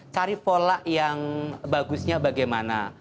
cari pola yang bagusnya bagaimana